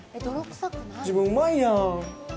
自分、うまいやん。